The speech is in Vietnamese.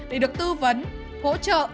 để được tư vấn hỗ trợ